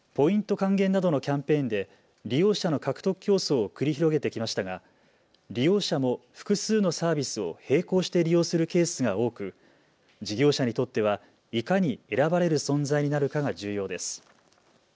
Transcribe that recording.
還元などのキャンペーンで利用者の獲得競争を繰り広げてきましたが利用者も複数のサービスを並行して利用するケースが多く事業者にとっては、いかに選ばれる存在になるかが重要です。